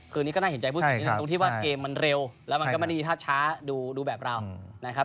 นี้ก็น่าเห็นใจผู้สูงนิดนึงตรงที่ว่าเกมมันเร็วแล้วมันก็ไม่ได้มีท่าช้าดูแบบเรานะครับ